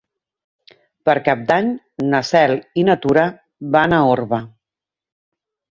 Per Cap d'Any na Cel i na Tura van a Orba.